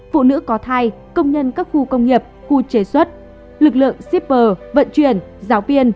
phụ nữ có thai công nhân các khu công nghiệp khu chế xuất lực lượng shipper vận chuyển giáo viên